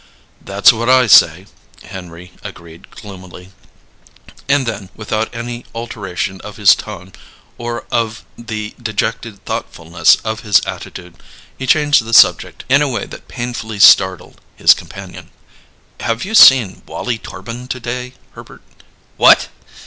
"That's what I say," Henry agreed gloomily; and then, without any alteration of his tone, or of the dejected thoughtfulness of his attitude, he changed the subject in a way that painfully startled his companion. "Have you seen Wallie Torbin to day, Herbert?" "What!"